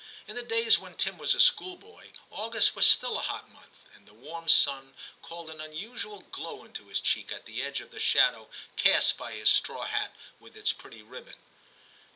In the days when Tim was a schoolboy August was still a hot month, and the warm sun called an unusual glow into his cheek at the edge of the shadow cast by his straw hat with its pretty ribbon.